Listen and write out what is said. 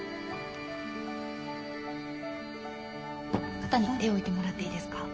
肩に手置いてもらっていいですか？